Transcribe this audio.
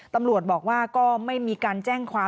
ตำรวจบอกว่าก็ไม่มีการแจ้งความ